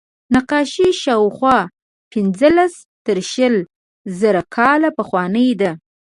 نقاشي شاوخوا پینځلس تر شلو زره کاله پخوانۍ ده.